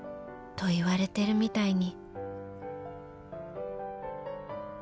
［と言われてるみたいに］